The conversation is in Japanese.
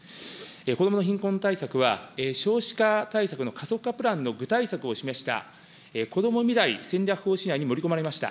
子どもの貧困対策は、少子化対策の加速化プランの具体策を示した、こども未来戦略方針案に盛り込まれました。